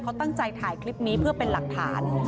เขาตั้งใจถ่ายคลิปนี้เพื่อเป็นหลักฐาน